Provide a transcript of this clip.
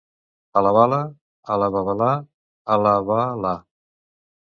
A la bala, a la babalà alàbala.